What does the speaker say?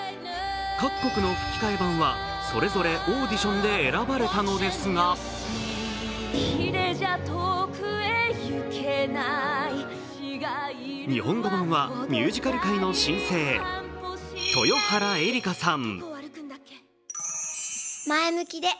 各国の吹き替え版はそれぞれオーディションで選ばれたのですが日本版はミュージカル界の新星豊原江理佳さん。